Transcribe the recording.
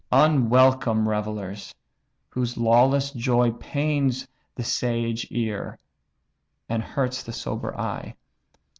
Unwelcome revellers, whose lawless joy Pains the sage ear, and hurts the sober eye."